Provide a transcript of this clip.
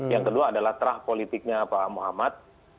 yang kedua adalah terah politiknya pak muhammad